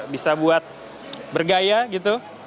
bisa buat bergaya gitu